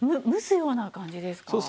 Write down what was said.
蒸すような感じですか？